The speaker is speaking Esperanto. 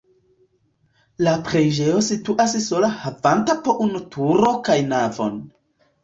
La preĝejo situas sola havanta po unu turon kaj navon.